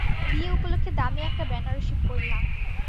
বিয়ে উপলক্ষে দামি একটা বেনারসি পড়লাম।